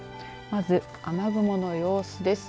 まず、雨雲の様子です。